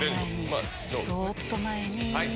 そっと前に。